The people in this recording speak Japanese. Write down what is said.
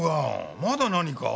まだ何か？